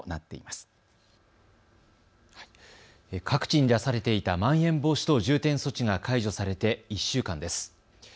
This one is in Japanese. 各地に出されていたまん延防止等重点措置が解除されて１週間です。